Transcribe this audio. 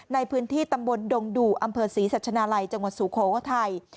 ในพื้นที่ตำบลดงดู่อำเภอศรีสัชนาลัยจังหวัดสุโขทัย